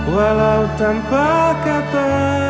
walau tanpa kata